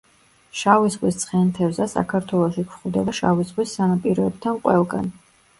შავი ზღვის ცხენთევზა საქართველოში გვხვდება შავი ზღვის სანაპიროებთან ყველგან.